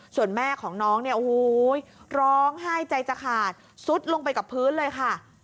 ส่วนแม่ของน้องเนี่ยโอ้โหร้องไห้ใจจะขาดซุดลงไปกับพื้นเลยค่ะ